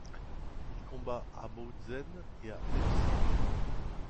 Il combat à Bautzen et à Leipzig.